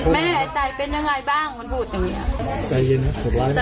แม่ตายเป็นยังไงบ้างมันพูดอย่างนี้อ่ะ